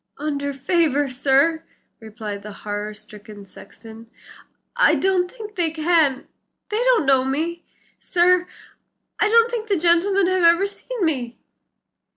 "Under favor, sir," replied the horror stricken sexton, "I don't think they can; they don't know me, sir; I don't think the gentlemen have ever seen me."